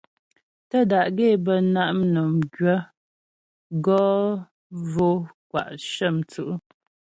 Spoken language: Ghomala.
Tə́ da'gaə́ é bə na' mnɔm gwyə̌ gɔ mvo'o kwa' cə̀mwtsǔ'.